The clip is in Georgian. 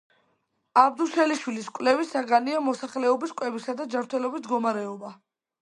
აბდუშელიშვილის კვლევის საგანია მოსახლეობის კვებისა და ჯანმრთელობის მდგომარეობა.